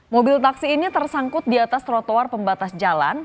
mobil taksi ini tersangkut di atas trotoar pembatas jalan